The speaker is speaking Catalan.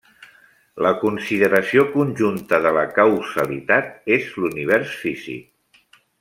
La consideració conjunta de la causalitat és l'univers físic.